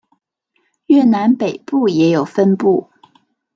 越南北部也有分布。